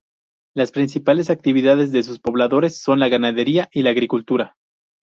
Las principales actividades de sus pobladores son la ganadería y la agricultura.